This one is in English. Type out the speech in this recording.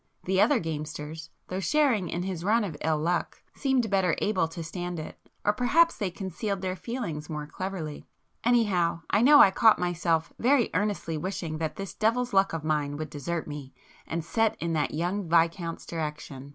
The other gamesters, though sharing in his run of ill luck, seemed better able to stand it, or perhaps they concealed their feelings more cleverly,—anyhow I know I caught myself very earnestly wishing that this devil's luck of mine would desert me and set in the young Viscount's direction.